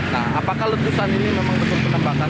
nah apakah letusan ini memang betul penembakan